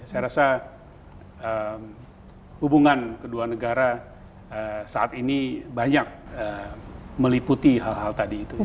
saya rasa hubungan kedua negara saat ini banyak meliputi hal hal tadi itu